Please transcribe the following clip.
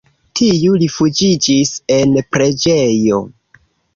Tiu rifuĝiĝis en preĝejo.